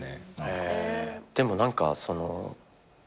でも何かその。